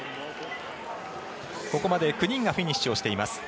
ここまで９人がフィニッシュをしています。